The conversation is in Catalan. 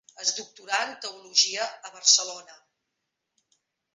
Es doctorà en teologia a Barcelona.